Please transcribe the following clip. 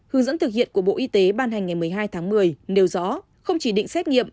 hướng dẫn thực hiện của bộ y tế ban hành ngày một mươi hai tháng một mươi nêu rõ không chỉ định xét nghiệm